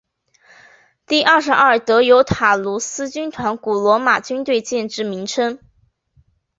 第二十二德尤塔卢斯军团古罗马军队建制名称。